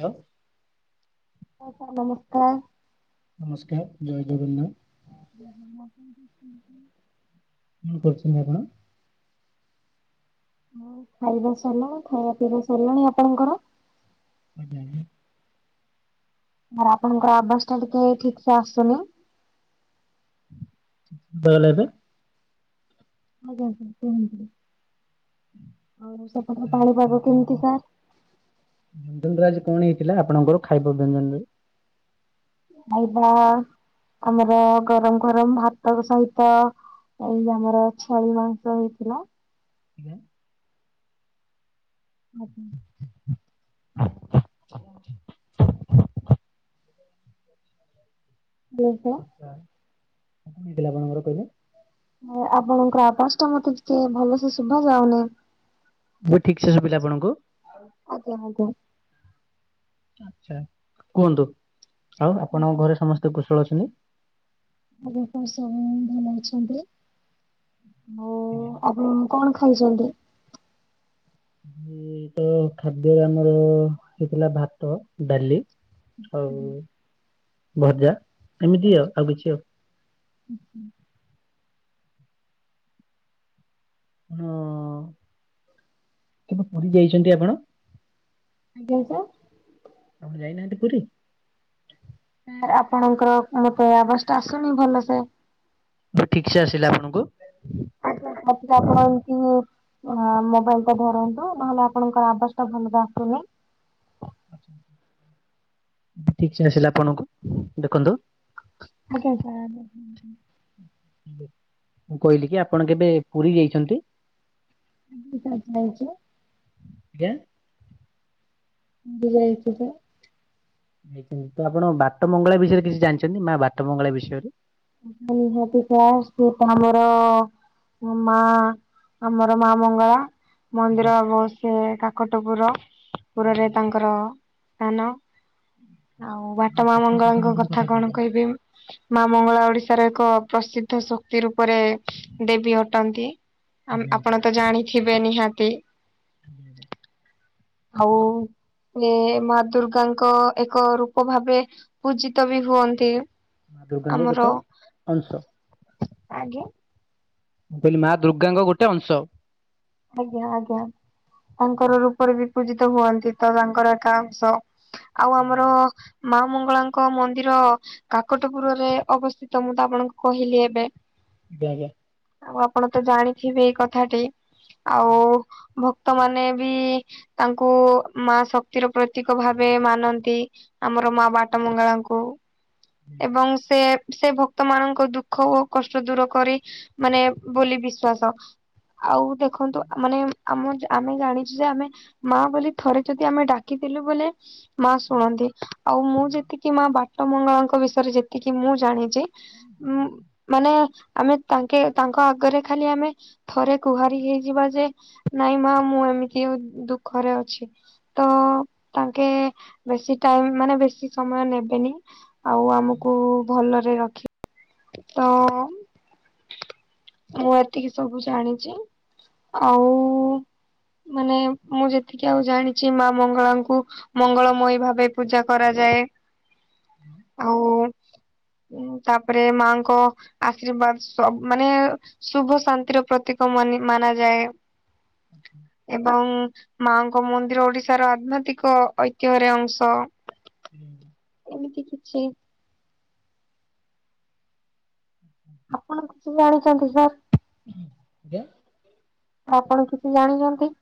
Hello. ହଁ। Sir ନମସ୍କାର। ନମସ୍କାର୍। ଜୟ ଜଗବନ୍ନାଥ। [inaudible] କଣ କରୁଚନ୍ତି ଆପଣ? ହଁ, ଖାଇବା ସରିଲାଣି। ଖାଇବା ପିଇବା ସରିଲାଣି। ଆପଣଙ୍କର? ଆଜ୍ଞା, ଆଜ୍ଞା। ମାନେ ଆପଣଙ୍କର ଆବାଜ ଟା ଟିକେ ଠିକ୍ ସେ ଆସୁନି। ଶୁଭା ଗଲା ଏବେ? ଆଜ୍ଞା ଆଜ୍ଞା କୁହନ୍ତୁ। ଆଉ ସେପଟ ଆଚ୍ଛା, ପାଣିପାଗ କେମିତି ସାର୍? ଲଞ୍ଚରେ ଆଜି କଣ ହେଇଥିଲା ଆପଣଙ୍କର ଖାଇବା ବ୍ୟଞ୍ଜନରେ? ଖାଇବା, ଆମର ଗରମ୍ ଗରମ୍ ଭାତ ସହିତ ଏଇ ଆମର ଛେଳି ମାଂସ ହେଇଥିଲା। [inaudible] ଆଜ୍ଞା। [unintelligible] ବୋହେ ହେଇ ଥିଲା ପା ଆମର କହିଲେ। ଆଉ ଆପଣଙ୍କର ଆବାସ୍ ଟା ମତେ ଟିକେ ଭଲସେ ଶୁଭା ଯାଉନି। ଇବେ ଠିକ୍ ସେ ଶୁବିଲା ଆପଣଙ୍କୁ? ଆଜ୍ଞା, ଆଜ୍ଞା। ଆଛା କୁହନ୍ତୁ, ଆଉ ଆପଣଙ୍କ ଘରେ ସମସ୍ତେ କୁଶଳ ଅଛନ୍ତି? ଆଜ୍ଞା ସାର୍ ସବୁ ଭଲ ଅଛନ୍ତି। ହୋଉ ଆପଣ କଣ ଖାଇଛନ୍ତି? ମୁଁ ତ ଖାଦ୍ୟରେ ଆମର ହେଇଥିଲା ଭାତ, ଡ଼ାଲି। ଆଉ ଭଜା ଏମିତି ଆଉ ଆଉ କିଛି ଆଉ। ଓହୋ ହଁ। କେବେ ପୁରୀ ଯାଇଛନ୍ତି ଆପଣ? ଆଜ୍ଞା ସାର୍। ଆପଣ ଯାଇନାହାନ୍ତି ପୁରୀ? ମୁଁ କହିଲି ଆପଣଙ୍କର ଆବଜ୍ ଟା ଆସୁନି ଭଲ ସେ। ହଉ ଠିକ୍ ସେ ଆସିଲା ବାବୁ। ଆଜ୍ଞା ସାର୍ ଆପଣଙ୍କୁ ମୋବାଇଲ ଟା ଧରନ୍ତୁ ନହେଲେ ଆପଣଙ୍କର ଆବାଜ ଟା ଭଲରେ ଆସୁନି। ଠିକସେ ଆସିଲା ଆପଣଙ୍କୁ ଦେଖନ୍ତୁ। ଆଜ୍ଞା ସାର୍। ମୁଁ କହିଲି କି ଆପଣ କେବେ ପୁରୀ ଯାଇଛନ୍ତି? [unintelligible] ଆଜ୍ଞା? [unintelligible] ହେଇ ତ ଆପଣ ବାଟ ମଙ୍ଗଳା ବିଷୟରେ କିଛି ଜାଣିଛନ୍ତି ମା ବାଟ ମଙ୍ଗଳା ବିଷୟରେ? ଓହୋ ପିଠା ସିଏ ତ ଆମର ମା ଆମର ମା ମଙ୍ଗଳା। ଆଜ୍ଞା ମନ୍ଦିର ହେବ ସେ କାକଟ ପୁର ପୁରରେ ଆଜ୍ଞା ତାଙ୍କର ସ୍ଥାନ। ଆଉ ବାଟ ମା କଟକ ମଙ୍ଗଳାଙ୍କ କାକଟପୁର କଥା କଣ କହୁଛନ୍ତି କହିବି ମା ମଙ୍ଗଳା ଗୋ ଓଡିଶାର ଏକ ପ୍ରସିଦ୍ଧ ଶକ୍ତି ରୂପରେ ଦେବୀ ଅଟନ୍ତି। ଆ ଆଜ୍ଞା ଆଜ୍ଞା ଆପଣ ତ ଜାଣିଥିବେ ନିହାତି। [inaudible] ହଉ। ଏ ମା ଦୁର୍ଗାଙ୍କ ଏକ ରୂପ ଭାବେ ପୂଜିତ ବି ହୁଅନ୍ତି। ମା ଦୁର୍ଗାଙ୍କ ଆମର ଗୋଟ ଅଂଶ। ଆଜ୍ଞା। ମୁଁ କହିଲି ମା ଦୁର୍ଗାଙ୍କ ଗୋଟେ ଅଂଶ। ଆଜ୍ଞା ଆଜ୍ଞା ତାଙ୍କର ରୂପରେ ବି। ପୂଜିତ ହୁଅନ୍ତି ତ ତାଙ୍କର ଏକା ଅଂଶ ଆଉ ଆଜ୍ଞା ଆମର। ଆଜ୍ଞା ମା ମଙ୍ଗଳାଙ୍କ ମନ୍ଦିର। କାକଟପୁରରେ ଅବସ୍ଥିତ ମୁଁ ତ ଆପଣଙ୍କୁ କହିଲି ଏବେ। ଆଜ୍ଞା ଆଜ୍ଞା। ଆଉ ଆପଣ ତ ଜାଣିଥିବେ ଏଇ କଥାଟି ଆଉ ଆଜ୍ଞା ଭକ୍ତ ମାନ ବି। ତାଙ୍କୁ ମା ଶକ୍ତିର ପ୍ରତୀକ ଭାବେ ମାନନ୍ତି। ଆମର ମା ଆଜ୍ଞା ବାଟ ମଙ୍ଗଳାଙ୍କୁ ଏବଂ ସେ। ସେ ସେ ଭକ୍ତ ମାନଙ୍କ ଦୁଃଖ ଓ କଷ୍ଟ ଦୂର କରେ ମାନେ ବୋଲି ବିଶ୍ଵାସ। ଆଉ ଦେଖନ୍ତୁ ମାନେ। ଆମ ଆମେ ଜାଣିଚୁ ଯେ ଆମେ ମା ବୋଲି ଥରେ ଯଦି ଆମେ ଡାକିଥଦେଲୁ ବୋଲେ। ମା ଶୁଣନ୍ତି ଆଉ ମୁଁ ଯେତିକି ମା ବାଟ ମଙ୍ଗଳାଙ୍କ ବିଷୟରେ ଯେତିକି ମୁଁ ଜାଣିଚି। ମୁଁ। ମାନେ ଆମେ ତାଙ୍କେ ତାଙ୍କ ଆଗରେ ଖାଲି ଆମେ ଥରେ ଗୁହାରି ହେଇ। ଯିବା ଯେ ନାଇଁ ମା ମୁଁ ଏମିତି ଦୁଃଖରେ ଅଛି। ତ ତାଙ୍କେ ବେଶୀ ଟାଇମ ମାନେ ବେଶୀ ସମୟ ନେବେନି। ଆଉ ଆମୁକୁ ଭଲରେ ରଖିବେ ତ ମୁଁ ଏତିକି ସବୁ ଜାଣିଚି। ଆଉ ମାନେ ମୁଁ ଯେତିକି ଆଉ ଜାଣିଛି ମା ମଙ୍ଗଳାଙ୍କୁ। ମଙ୍ଗଳମୟୀ ଭାବେ ପୂଜା କରାଯାଏ ଆଉ। ଉଁ ତାପରେ ମାଙ୍କ। ଆଶୀର୍ବାଦ ସବୁ ମାନେ ଶୁଭ ଶାନ୍ତିର ପ୍ରତୀକ ମାନେ। ମାନାଯାଏ ଏବଂ। ମାଙ୍କ ମନ୍ଦିର ଓଡିଶାର ଆଧ୍ୟାତ୍ମିକ ଐତିହରେ ଅଂଶ। ହୁଁ। ଏମିତି କିଛି। ହୁଁ ହୁଁ। ଆପଣ କିଛି ଜାଣିଛନ୍ତି ସାର୍? ହୁଁ ହୁଁ ଯେ। ଆପଣ କିଛି ଜାଣିନାହାନ୍ତି?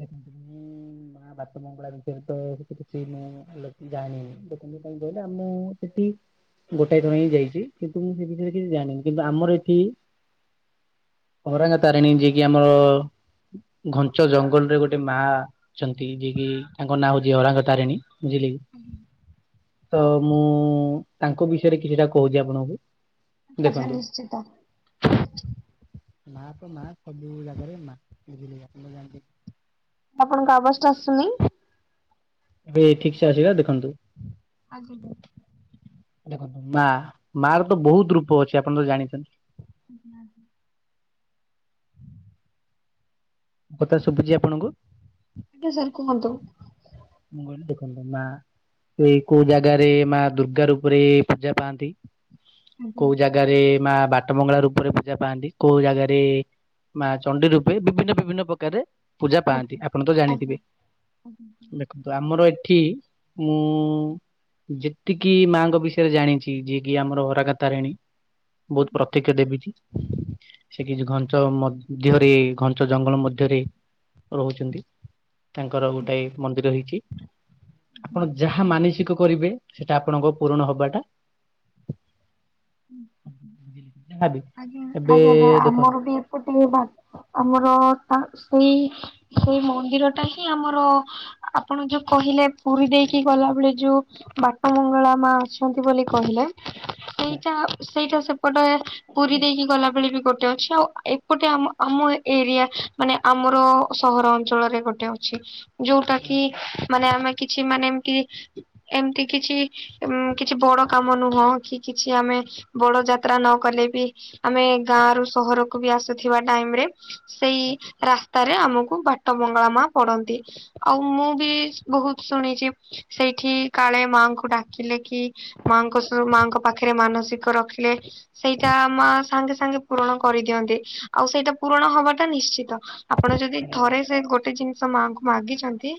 ଦେଖନ୍ତୁ ମୁଁ ମା ବାଟମଙ୍ଗଳା ବିଷୟରେ ତ ସେତେ କିଛି ମୁଁ। ଭଲକି ଯାଣିନି ଲୋକଙ୍କୁ କଣ କହିଲେ ଆ ମୁଁ ସେଠି। ଗୋଟାଏ ଥର ହିଁ ଯାଇଚି କିନ୍ତୁ ମୁଁ ସେ ବିଷୟରେ କିଛି ଜାଣିନି କିନ୍ତୁ ଆମର ଏଠି। ଅରାଙ୍ଗା ତାରେଣୀ ଯିଏକି ଆମର ଘଞ୍ଚ ଜଙ୍ଗଲ। ରେ ଗୋଟେ ମା ଛନ୍ତି ଯିଏକି ତାଙ୍କ ନାଁ ହଉଛି ଅରାଙ୍ଗ ତାରେଣୀ। ବୁଝିଲି କି ତ ମୁଁ ତାଙ୍କ ବିଷୟରେ କିଛିଟା କହୁଚି ଆପଣଙ୍କୁ। ଆଚ୍ଛା ଦେଖନ୍ତୁ ନିଶ୍ଚିତ। ମା ତ ମା ସବୁ ଜାଗାରେ ମା ବୁଝିଲେ ଆପଣ ଜାଣିଯିବେ। ଆପଣଙ୍କ ଆବାଜ୍ ଟା ଆସୁନି। ଏ ଠିକ୍ ସେ ଆସିଲା ଦେଖନ୍ତୁ। ଆ ଜିବୁ। ଦେଖନ୍ତୁ ମା ମା ର ତ ବହୁତ ରୂପ ଅଛି ଆପଣ ତ ଜାଣିଚନ୍ତି। [inaudible] କଥା ଶୁଭୁଛି ଆପଣଙ୍କୁ? ଆଜ୍ଞା ସାର୍ କୁହନ୍ତୁ। ମୁଁ କହିଲି ଦେଖନ୍ତୁ ମା ସେ କୋଉ ଜାଗାରେ ମା ଦୁର୍ଗା ରୂପରେ ପୂଜା ପାଆନ୍ତି ଆଜ୍ଞା କୋଉ ଜାଗା ଜାଗାରେ ମା ବାଟ ମଙ୍ଗଳା ରୂପରେ ପୂଜା ପାଆନ୍ତି କୋଉ ଜାଗାରେ ମା ଚଣ୍ଡି ରୂପେ ବିଭିନ୍ନ ବିଭିନ୍ନ ପ୍ରକାରେ ଆଜ୍ଞା ଆଜ୍ଞା ଆଜ୍ଞା [inaudible] ଦେଖନ୍ତୁ ଆମର ଏଠି ମୁଁ ଯେତିକି ମାଙ୍କ ବିଷୟରେ ଜାଣିଛି ଯିଏ କିି ଆମର ହରାକାତାରେଣୀ ବହୁତ ପ୍ରତ୍ୟକ୍ଷ ଦେବିଟି। ସେ କିଛି ଘଞ୍ଚ ମଧ୍ୟରେ ଘଞ୍ଚ ଜଙ୍ଗଲ ମଧ୍ୟରେ ରହୁଚନ୍ତି। ତାଙ୍କର ଗୋଟାଏ ମନ୍ଦିର ହେଇଚି। ଆପଣ ଯାହା ମାନସିକ କରିବେ ସେଟା ଆପଣଙ୍କ ପୂରଣ ହବାଟା ଯାହାବି ଆଜ୍ଞା ଏବେ ଆଜ୍ଞା ଦେଖନ୍ତୁ ଆମର ବି ଏପଟେ ବା ଆମର ସେଇ ସେଇ ମନ୍ଦିର ଟା ହିଁ ଆମର ଆପଣ ଯୋଉ କହିଲେ ପୁରୀ ଦେଇକି ଗଲାବେଳେ ଯୋଉ ବାଟ ମଙ୍ଗଳା ମା ଅଛନ୍ତି ବୋଲି କହିଲେ ଆଜ୍ଞା। ତା ସେଇଟା ସେପଟେ ପୁରୀ ଦେଇକି ଗଲାବେଳେ ବି ଗୋଟେ ଅଛି ଆଉ ଏପଟେ ଆମ ଆମ ଏରିଆ ମାନେ ଆମର ସହର ଅଞ୍ଚଳରେ ଗୋଟେ ଅଛି ଯୋଉଟା କି ମାନେ ଆମେ କିଛି ମାନେ ଏମତି ଏମତି କିଛି ଉମ କିଛି ବଡ କାମ ନୁହଁ କି କି ଛି ଆମେ ବଡ ଯାତ୍ରା ନ କଲେ ବି ଆମେ ଗାଁ ରୁ ସହରକୁ ବି ଆସୁଥିବା ଟାଇମ ରେ ସେଇ ଆଛା ଆଛା ରା ସ୍ତା ରେ ଆମକୁ ବାଟ ବଙ୍ଗଳା ମା ପଡନ୍ତି। ଆଉ ମୁଁ ବି ବହୁତ ଶୁଣିଛି ସେଇଠି କାଳେ ମାଆଙ୍କୁ ଡାକିଲେ କି ମାଆଙ୍କ ସହ ମାଙ୍କ ପାଖରେ ମାନସିକ ରଖିଲେ ସେଇଟା ମା ସାଙ୍ଗେ ସାଙ୍ଗେ ପୂରଣ କରିଦିଅନ୍ତି ଆଉ ସେଇଟା ପୂରଣ ହବାଟା ନିଶ୍ଚିତ। ଆପଣ ଯଦି ଥରେ ସେ ଗୋଟେ ଜିନିଷ ମାଙ୍କୁ ମାଗିଛନ୍ତି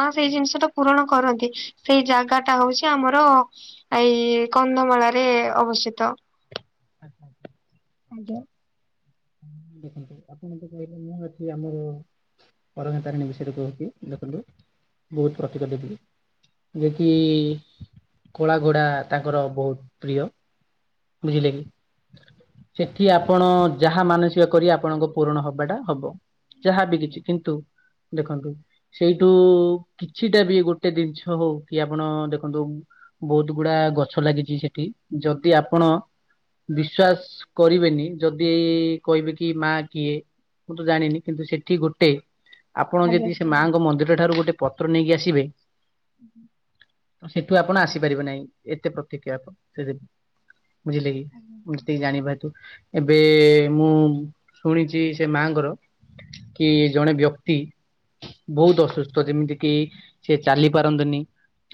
ମା ସେଇ ଜିନିଷ ଟା ପୂରଣ କରନ୍ତି ସେଇ ଜାଗା ଟା ହଉଛି ଆମର ଏଇ କନ୍ଧମାଳା ରେ ଅବସ୍ଥିତ। [inaudible] ଆଜ୍ଞା ଦେଖନ୍ତୁ ଆପଣ ତ କହିଲେ ମୁଁ ଅଛି ଆମର ପରଖା ତାରିଣୀ ବିଷୟରେ କହୁଛି ଦେଖନ୍ତୁ ବହୁତ ପ୍ରତ୍ୟକ୍ଷ ଦେବି। ଯିଏକି କୋଳା ଘୋଡ଼ା ତାଙ୍କର ବହୁତ ପ୍ରିୟ। ବୁଝିଲେ କି। ସେଠି ଆପଣ ଯାହା ମାନସିକ କରିବେ ଆପଣଙ୍କ ପୂରଣ ହବାଟା ହବ। ଯାହା ବି କିଛି। କିନ୍ତୁ, ଦେଖନ୍ତୁ ସେଇଠୁ, କିଛିଟା ବି ଗୋଟେ ଦିନିଷ ହଉ, କି ଆପଣ ଦେଖନ୍ତୁ ବହୁତ ଗୁଡା ଗଛ ଲାଗିଛି ସେଠି, ଯଦି ଆପଣ ବିଶ୍ଵାସ କରିବେନି ଯଦ୍ ଦି-ଇ-ଇ-ଇ କହିବେ କି ମାଆ କିଏ, ମୁଁ ତ ଜାଣିନି। କିନ୍ତୁ ସେଠି ଗୋଟେ ଆପଣ ଆଜ୍ଞା ଯଦି ସେ ମାଆଙ୍କ ମନ୍ଦିର ଠାରୁ ଗୋଟେ ପତ୍ର ନେଇକି ଆସିବେ ହୁଁ। ସେଠୁ ଆପଣ ଆସିପାରିବେ ନାହିଁ ଏତେ ପ୍ରତିକ୍ରିୟା ହେବ ସେଦିନ। ବୁଝିଲେ କି? ମୁଁ ଯେତିକି ଜାଣିପାରୁଛୁ ଏବେ ମୁଁ ଶୁଣିଛି ସେ ମାଆଙ୍କର, କି ଜଣେ ବ୍ୟକ୍ତି ବହୁତ ଅସୁସ୍ଥ ଯେମିତି କିି ସେ ଚାଲି ପାରନ୍ତିନି।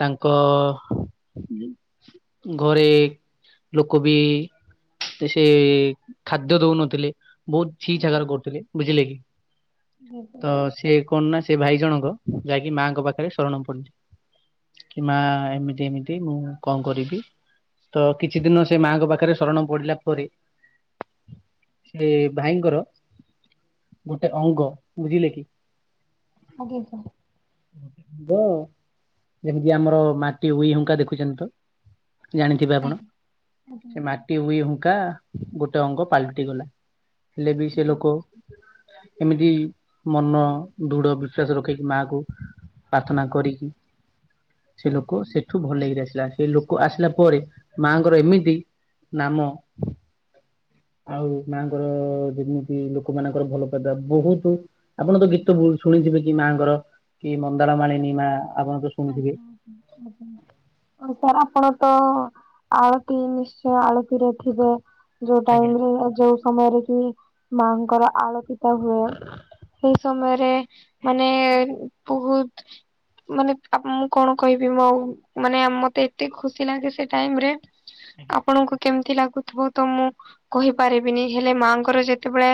ତାଙ୍କ ଘରେ ଲୋକ ବି ସେ ଖାଦ୍ୟ ଦଉ ନଥିଲେ, ବହୁତ ଛି ଛାକର କରୁଥିଲେ, ବୁଝିଲେ କି? ତ ସେ କଣ ନା ସେ ଭାଇ ଜଣଙ୍କ, ଯାଇକି ମାଆଙ୍କ ପାଖରେ ଶରଣ ପଡିଲେ। କି ମାଆ ଏମିତି ଏମିତି ମୁଁ କଣ କରିବି? ତ କିଛି ଦିନ ସେ ମାଆଙ୍କ ପାଖରେ ଶରଣ ପଡିଲା ପରେ ସେ ଭାଇଙ୍କର ଗୋଟେ ଅଙ୍ଗ, ବୁଝିଲେ କି? ଆଜ୍ଞା ସାର୍। [inaudible] ଯେମିତି ଆମର ମାଟି ଉଇ ହୁଙ୍କା ଦେଖୁଛନ୍ତି ତ। ଜାଣିଥିବେ ଆପଣ, ସେ ଆଜ୍ଞା। ମାଟି ଉଇ ହୁଙ୍କା ଗୋଟ୍ ଗୋଟେ ଅଙ୍ଗ ପାଲଟି ଗଲା। ହେଲେ ବି ସେ ଲୋକ ଏମିତି ମନ ଦୃଢ ବିଶ୍ଵାସ ରଖିକି ମାଆକୁ ପାର୍ଥନା କରିକି ସେ ଲୋକ ସେଠୁ ଭଲ ହେଇକିରି ଆସିଲା ହେରି। ସେ ଲୋକ ଆସିଲା ପରେ, ମାଆଙ୍କର ଏମିତି ନାମ ଆଉ ମାଆଙ୍କର-ଅ-ଅ ଯେମିତି ଲୋକମାନଙ୍କର ଭଲ ପାଇବା ବହୁତ ଆପଣ ତ ଗୀତ ବହୁତ ଶୁଣିଥିବେ କି ମାଆଙ୍କର, କି ମନ୍ଦାର ମାଳିନୀ ମାଆ, ଆପଣ ତ ଶୁଣିଥିବେ? [inaudible] ସାର୍ ଆପଣ ତ-ଅ-ଅ, ଆଳତି ନିଶ୍ଚୟ ଆଳତିରେ ଥିବେ? ଯୋଉ ଆଜ୍ଞା। ଟାଇମରେ ଆଉ ଯୋଉ ସମୟରେ କି, ମାଆଙ୍କର ଆଳତିଟା ହୁଏ। ସେଇ ସମୟରେ ମାନେ ବହୁତ ମାନେ ଆ ମୁଁ କଣ କହିବି ମ ଆଉ, ମାନେ ମତେ ଏତେ ଖୁସି ଲାଗେ ସେ ଟାଇମରେ ଆପଣଙ୍କୁ କେମିତି ଲାଗୁଥିବ? ତ ମୁଁ କହିପାରିବିନି ହେଲେ ମାଆଙ୍କର ଯେତେବେଳେ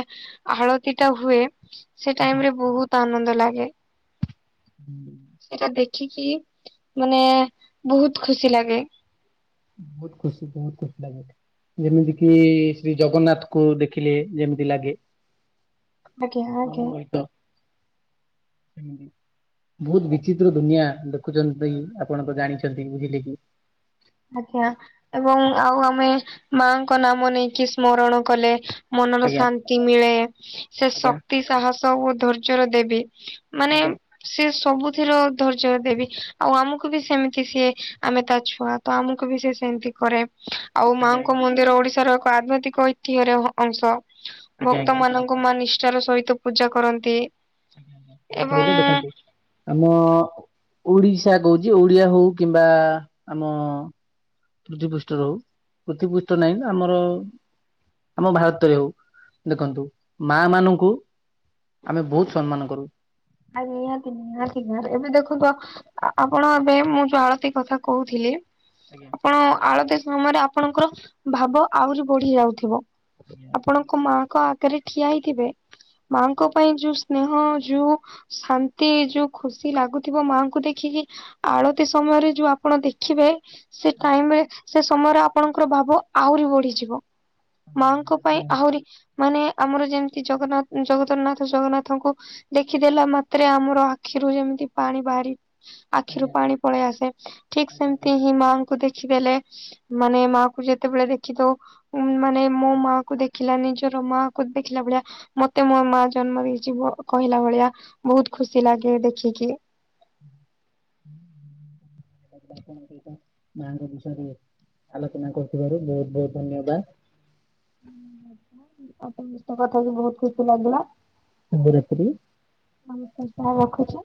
ଆଳତିଟା ହୁଏ ସେ ଟାଇମରେ ବହୁତ ଆନନ୍ଦ ଲାଗେ। ହୁଁ। ସେଇଟା ଦେଖିକି ମାନେ ବହୁତ ଖୁସି ଲାଗେ। ବହୁତ ଖୁସି ବହୁତ ଖୁସି ଲାଗେ ମତେ। ଯେମିତି କିି ଶ୍ରୀ ଜଗନ୍ନାଥକୁ ଦେଖିଲେ ଯେମିତି ଲାଗେ। ଆଜ୍ଞା ଆଜ୍ଞା। [unintelligible] ହୁଁ-ହୁଁ। ବହୁତ ବିଚିତ୍ର ଦୁନିଆ। ଦେଖୁଛନ୍ତି ଇ ଆପଣ ତ ଜାଣିଛନ୍ତି, ବୁଝିଲେ କି? ଆଜ୍ଞା ଏବଂ ଆଉ ଆମେ ମାଆଙ୍କ ନାମ ନେଇକି ସ୍ମରଣ କଲେ ମନର ଆଜ୍ଞା। ଶାନ୍ତି ମିଳେ। ସେ ଆଜ୍ଞା ଶକ୍ତି, ସାହସ ଓ ଧୈର୍ଯ୍ୟର ଦେବୀ। ମାନେ ଆଜ୍ଞା ସେ ସବୁଥିର ଧୈର୍ଯ୍ୟର ଦେବୀ, ଆଉ ଆମକୁ ବି ସେମିତି ସିଏ ଆମେ ତା ଛୁଆ। ତ ଆମକୁ ବି ସେ ସେମିତି କରେ। ଆଉ ଆଜ୍ଞା ମାଆଙ୍କ ଆଜ୍ଞା। ମନ୍ଦିର ଓଡିଶାର ଏକ ଆଧ୍ୟତିିକ୍ ଐତିହ୍ୟରେ ଅଂଶ। ଆଜ୍ଞା ଭକ୍ତ ଆଜ୍ଞା ମାନଙ୍କୁ ମାଆ ନିଷ୍ଠାର ସହିତ ପୂଜା କରନ୍ତି। ଏବଂ ପହିଲେ ଦେଖନ୍ତୁ। ଆମ ଓଡିଶା କୋହୁଚି ଓଡିଆ ହୋଉ କିମ୍ବା ଆମ ପୃଥିବି ପୃଷ୍ଠରୁ ହୋଉ ପୃଥିବି ପୃଷ୍ଠରେ ନାହିଁ ତ ଆମର ଆମ ଭାରତରେ ହୋଉ ଦେଖନ୍ତୁ ମା ମାନଙ୍କୁ ଆମେ ବୋହୁତ ସମ୍ମାନ କରୁ। ଆ ନିହାତି ନିହାତି ଗାଁରେ ଏବେ ଦେଖୁନ୍ତ ଆପଣ ଏବେ ମୁଁ ଯୋଉ ଆଳତି କଥା କୋହୁଥିଲି। ଆଜ୍ଞା। ହଁ ଆଳତି ସମୟରେ ଆପଣଙ୍କର ଭାବ ଆହୁରି ବଢି ଯାଉଥିବ। ଆଜ୍ଞା। ଆପଣଙ୍କ ମାଆଙ୍କ ଆଗରେ ଠିଆ ହେଇଥିବେ ମାଙ୍କ ପାଇଁ ଯୋଉ ସ୍ନେହ ଯୋଉ ଶାନ୍ତି ଯୋଉ ଖୁସି ଲାଗୁଥିବ ମାଙ୍କୁ ଦେଖିକି। ଆଳତି ସମୟରେ ଯୋଉ ଆପଣ ଦେଖିବେ। ସେ ଟାଇମରେ ସେ ସମୟରେ ଆପଣଙ୍କର ଭାବ ଆହୁରି ବଢିଯିବ। ମାଙ୍କ ପାଇଁ ଆହୁରି ମାନେ ଆମର ଯେମତି ଜଗନ୍ନାଥ ଜଗତର ନାଥ ଜଗନ୍ନାଥଙ୍କୁ ଦେଖିଦେଲା ସେଥିରେ ଆମର ଆଖିରୁ ଯେମିତି ପାଣି ବାହାରି ଆଖିରୁ ପାଣି ପଳେଇ ଆସେ। ଠିକ୍ ସେମତି ହିଁ ମା କୁ ଦେଖିଦେଲେ ମାନେ ମା କୁ ଯେତେବେଳେ ଦେଖିଦୋଉ ଉଁ ମା ନାଇଁ ମୋ ମା କୁ ଦେଖିଲାନି ନିଜର ମା କୁ ଦେଖିଲା ଭଳିଆ ମତେ ମୋ ମା ଜନ୍ମ ଦେଇଚି ବ କହିଲା ଭଳିଆ ବୋହୁତ ଖୁସି ଲାଗେ ଦେଖିକି। [inaudible] ହିତ [unintelligible] ମାଙ୍କ ବିଷୟରେ ଆଲୋଚନା କରୁଥିବାରୁ ବୋହୁତ ବୋହୁତ ଧନ୍ୟବାଦ। [inaudible] ଆଉ ସମସ୍ତଙ୍କ କଥାକୁ ବୋହୁତ ଖୁସି ଲାଗିଲା। ହାଲୋ ରେପ ଦେଇ [unintelligible] [unintelligible] ରଖୁଚି।